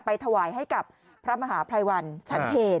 ถวายให้กับพระมหาภัยวันฉันเพล